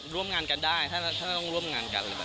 ร่วมงานกันได้ถ้าต้องร่วมงานกัน